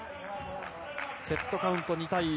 セットポイント、２対１。